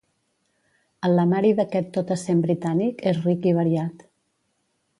El lemari d'aquest tot-a-cent britànic és ric i variat.